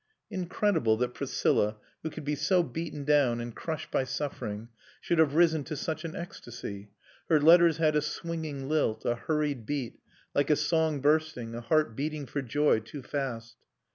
Incredible that Priscilla, who could be so beaten down and crushed by suffering, should have risen to such an ecstasy. Her letters had a swinging lilt, a hurried beat, like a song bursting, a heart beating for joy too fast.